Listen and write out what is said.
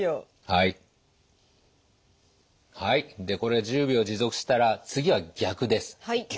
でこれが１０秒持続したら次は逆です。